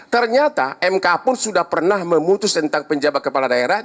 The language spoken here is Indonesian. ternyata mk pun sudah pernah memutus tentang penjabat kepala daerah